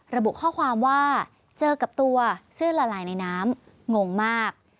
ระบุข้อความว่าเจอกับตัวเสื้อละลายในน้ำงงมาก